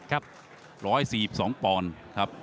ครับ๑๔๒ปอนด์ครับ